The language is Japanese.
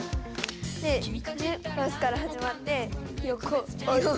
でクロスから始まって横横。